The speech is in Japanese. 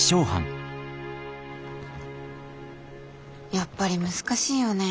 やっぱり難しいよね。